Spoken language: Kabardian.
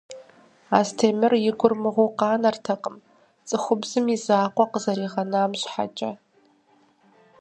Астемыр и гур мыгъуу къанэртэкъым, цӀыхубзым и закъуэ къызэригъэнам щхьэкӀэ.